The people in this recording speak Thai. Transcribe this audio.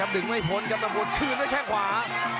ดึงไม่พ้นขึ้นกับแข่งขวา